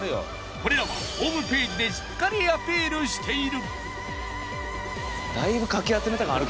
これらはホームページでしっかりアピールしている。